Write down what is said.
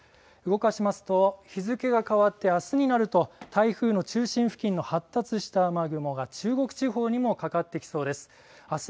動かしますと日付が変わってあすになると台風の中心付近の発達した雨雲が中国地方にもかかってきそうです。